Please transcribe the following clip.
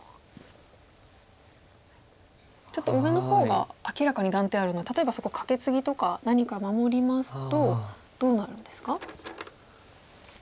ちょっと上の方が明らかに断点あるので例えばそこカケツギとか何か守りますとどうなるんですか？